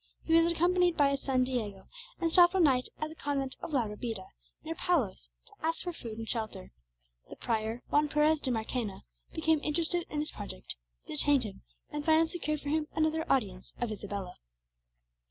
He was accompanied by his son, Diego, and stopped one night at the convent of La Rabida, near Palos, to ask for food and shelter. The prior, Juan Perez de Marchena, became interested in his project, detained him, and finally secured for him another audience of Isabella.